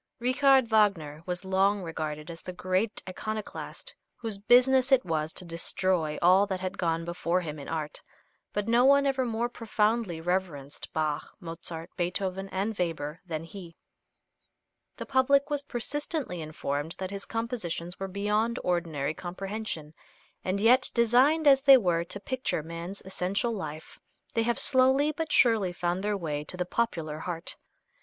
Richard Wagner was long regarded as the great iconoclast whose business it was to destroy all that had gone before him in art, but no one ever more profoundly reverenced Bach, Mozart, Beethoven and Weber than he. The public was persistently informed that his compositions were beyond ordinary comprehension, and yet designed, as they were, to picture man's essential life, they have slowly but surely found their way to the popular heart.